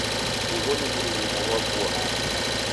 Ugho ni mrurumo ghwa vua?